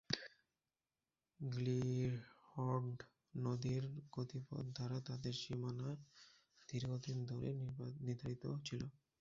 গ্লির্হন্ড নদীর গতিপথ দ্বারা তাদের সীমানা দীর্ঘদিন ধরে নির্ধারিত ছিল।